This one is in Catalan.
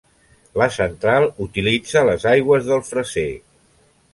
La central utilitza les aigües del Freser.